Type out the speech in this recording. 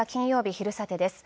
「昼サテ」です。